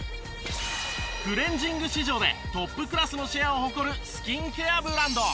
クレンジング市場でトップクラスのシェアを誇るスキンケアブランド。